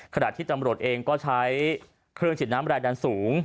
ขณะที่ตำรวจเองก็ใช้เครื่องฉีดน้ำแรงดันสูง